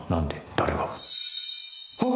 誰が？